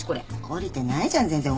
懲りてないじゃん全然。